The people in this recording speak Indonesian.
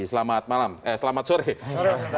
selamat malam eh selamat sore